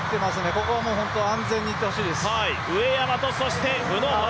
ここは安全にいってほしいです。